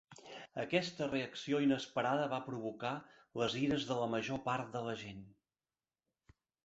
Aquesta reacció inesperada va provocar les ires de la major part de la gent.